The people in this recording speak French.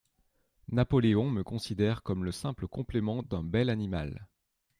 Napoléon me considère comme le simple complément d'un bel animal.